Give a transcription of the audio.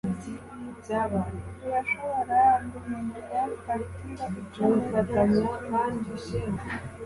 Urashobora guhindura fagitire icumi-peso kuri njye?